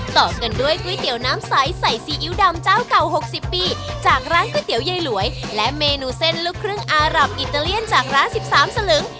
ต่อกันด้วยก๋วยเตี๋ยวน้ำใสใส่ซีอิ๊วดำเจ้าเก่า๖๐ปีจากร้านก๋วยเตี๋ยวยายหลวยและเมนูเส้นลูกครึ่งอารับอิตาเลียนจากร้าน๑๓สลึง